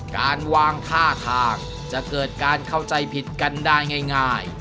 การวางท่าทางจะเกิดการเข้าใจผิดกันได้ง่าย